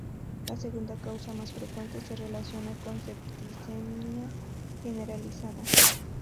La segunda causa más frecuente se relaciona con septicemia generalizada.